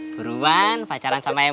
buruan pacaran sama emeh